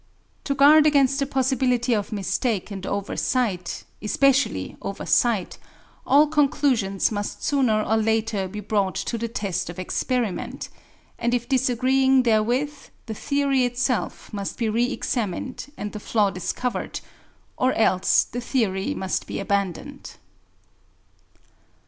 To guard against the possibility of mistake and oversight, especially oversight, all conclusions must sooner or later be brought to the test of experiment; and if disagreeing therewith, the theory itself must be re examined, and the flaw discovered, or else the theory must be abandoned.